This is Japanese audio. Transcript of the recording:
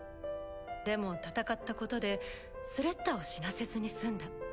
でも戦ったことでスレッタを死なせずに済んだ。